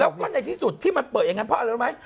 แล้วก็ในที่สุดที่มันเปิดอย่างนั้นเพราะอะไรรู้ไหม